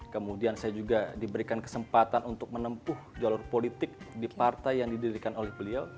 kemudian saya juga diberikan kesempatan untuk menempuh jalur politik di partai yang didirikan oleh beliau